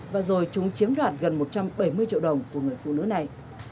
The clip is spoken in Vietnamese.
và rồi chúng chiếm đoạt gần một trăm bảy mươi triệu đồng của người phụ nữ này